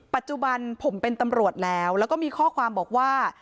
ปัจจุบันผมเป็นตำรวจแล้วแล้วก็มีข้อความบอกว่า